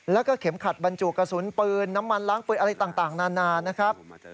แล้วก็เข็มขัดบรรจุกระสุนปืนน้ำมันล้างปืนอะไรต่างนานานะครับ